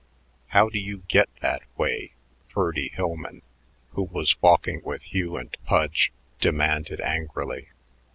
"How do you get that way?" Ferdy Hillman, who was walking with Hugh and Pudge, demanded angrily.